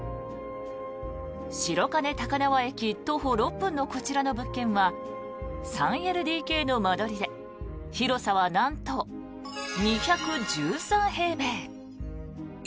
白金高輪駅徒歩６分のこちらの物件は３ＬＤＫの間取りで広さはなんと２１３平米。